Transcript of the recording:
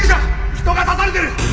人が刺されてる！